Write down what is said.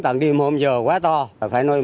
tận đêm hôm giờ quá to phải nói